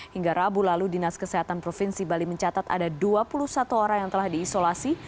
hingga rabu lalu dinas kesehatan provinsi bali mencatat ada dua puluh satu orang yang telah diisolasi